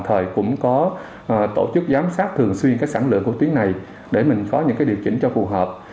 thời cũng có tổ chức giám sát thường xuyên cái sản lượng của tuyến này để mình có những cái điều chỉnh cho phù hợp